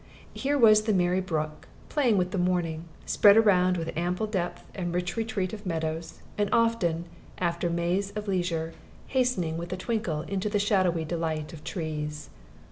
Here was the merry brook, playing with the morning, spread around with ample depth and rich retreat of meadows, and often, after maze of leisure, hastening with a tinkle into shadowy delight of trees.